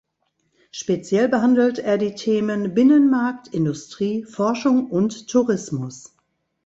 Speziell behandelt er die Themen "Binnenmarkt", "Industrie", "Forschung" und "Tourismus".